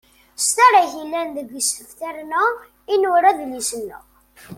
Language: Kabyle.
S tarrayt yellan deg isebtaren-a i nura adlis-nneɣ.